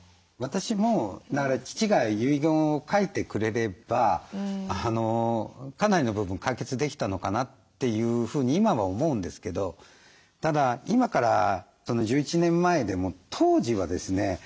私もだから父が遺言を書いてくれればかなりの部分解決できたのかなというふうに今は思うんですけどただ今から１１年前でも当時はですね